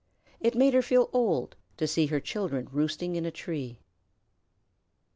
It made her feel old to see her children roosting in a tree.